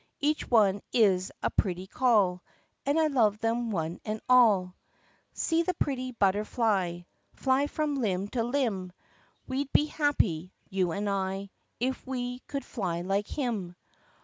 Each one is a pretty call And I love them one and all. hi £00 /A0 pretty butterfly Fly from limb to limb. We'd be happy, you and I, If we could fly like him.